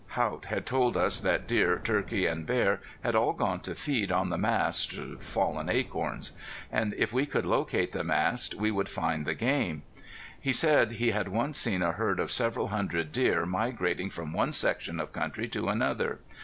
Haught had told us that deer, turkey and bear had all gone to feed on the mast (fallen acorns); and if we could locate the mast we would find the game. He said he had once seen a herd of several hundred deer migrating from one section of country to another.